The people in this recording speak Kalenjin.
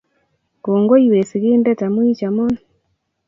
Kongoi we sigindet amu ichomon